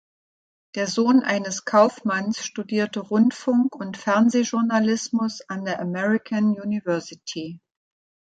Der Sohn eines Kaufmanns studierte Rundfunk- und Fernsehjournalismus an der American University.